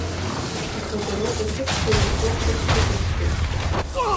Ихадароу аҭыԥқәа урҭ роуп ҳәа дсықәыҳәҳәеит.